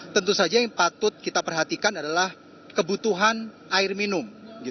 tentu saja yang patut kita perhatikan adalah kebutuhan air minum